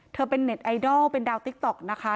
เธอเป็นเน็ตไอดอลเป็นดาวติ๊กต๊อกนะคะ